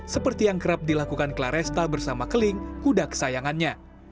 seperti yang kerap dilakukan claresta bersama keling kuda kesayangannya